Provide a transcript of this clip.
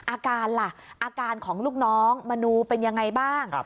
อาการล่ะอาการของลูกน้องมนูเป็นยังไงบ้าง